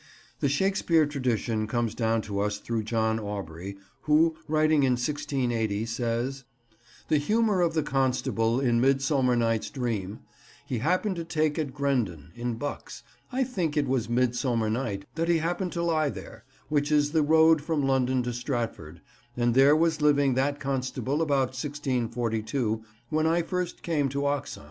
The Shakespeare tradition comes down to us through John Aubrey, who, writing in 1680, says— "The humour of the constable, in Midsomer night's Dreame, he happened to take at Grendon, in Bucks—I thinke it was Midsomer night that he happened to lye there—which is the roade from London to Stratford, and there was living that constable about 1642, when I first came to Oxon."